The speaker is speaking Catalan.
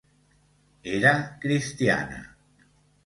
Era cristiana.